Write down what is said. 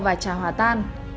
và trà hòa tan